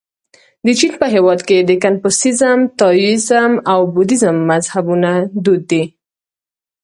د چین په هېواد کې د کنفوسیزم، تائویزم او بودیزم مذهبونه دود دي.